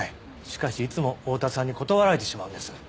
しかしいつも大多さんに断られてしまうんです。